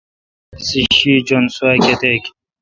تسےشی جّن سوا کیتک۔